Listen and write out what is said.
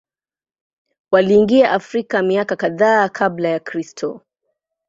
Waliingia Afrika miaka kadhaa Kabla ya Kristo.